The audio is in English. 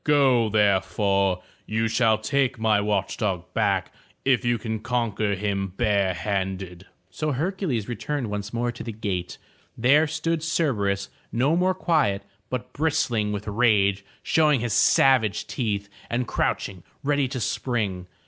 Go, therefore. You shall take my watch dog back if you can conquer him barehanded." So Hercules returned once more to the gate. There stood Cerberus, no more quiet, but bristling with rage, showing his savage teeth, and crouching ready to spring.